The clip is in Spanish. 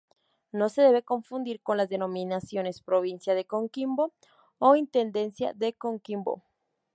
No se debe confundir con las denominaciones "Provincia de Coquimbo" o "Intendencia de Coquimbo".